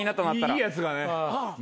いいやつがね。